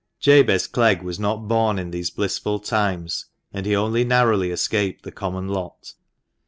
Jabez Clegg was not born in these blissful times, and he only narrowly escaped the common lot.